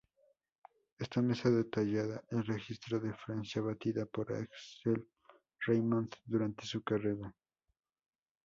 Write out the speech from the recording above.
Esta mesa detalla el registro de Francia batida por Axel Reymond durante su carrera.